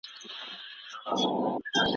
سندي څېړنه ډېر وخت ته اړتیا لري.